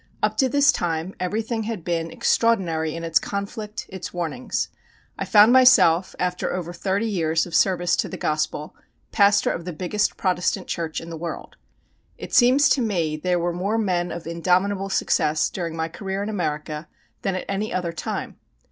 Up to this time everything had been extraordinary in its conflict, its warnings. I found myself, after over thirty years of service to the Gospel, pastor of the biggest Protestant church in the world. It seems to me there were more men of indomitable success during my career in America than at any other time.